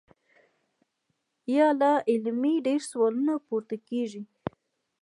يا لا علمۍ ډېر سوالونه پورته کيږي -